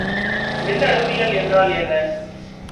மின்னணுவியல் என்றால் என்ன?